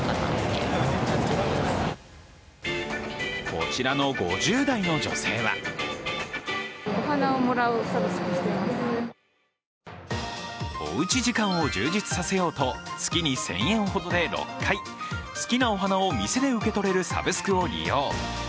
こちらの５０代の女性はおうち時間を充実させようと月に１０００円ほどで６回、好きなお花を店で受け取れるサブスクを利用。